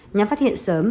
nhằm phát hiện sớm